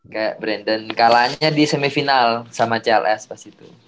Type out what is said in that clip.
kayak brandon kalahnya di semifinal sama cls pas itu